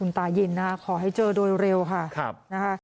คุณตายินขอให้เจอโดยเร็วค่ะนะครับ